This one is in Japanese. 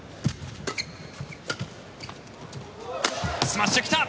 スマッシュ、来た！